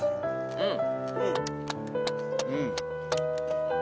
うん。